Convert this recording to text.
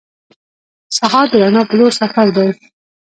سهار د رڼا په لور سفر دی.